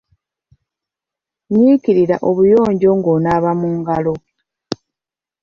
Nyiikirira obuyonjo ng’onaaba mu ngalo.